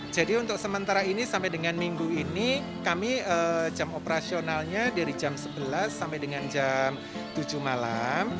jadi untuk sementara ini sampai dengan minggu ini kami jam operasionalnya dari jam sebelas sampai dengan jam tujuh malam